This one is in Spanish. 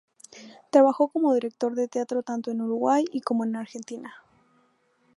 Trabajó como director de teatro tanto en Uruguay como en Argentina.